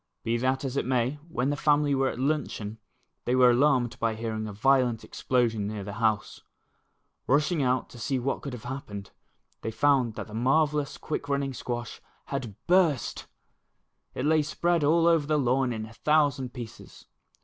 Be that as it may, when the family were at luncheon, they were alarmed by hearing a violent explosion near the house. Rushing out to sec what could have happened, they found that the marvellous quick running squash had burst! ! It lay spread all over the lawn in a thousand pieces.